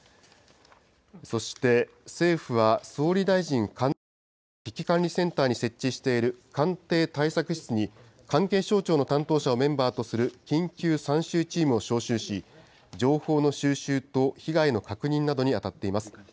そして、政府は総理大臣官邸の危機管理センターに設置している官邸対策室に、関係省庁の担当者をメンバーとする緊急参集チームを招集し、情報の収集と被害の確認などに当たっています。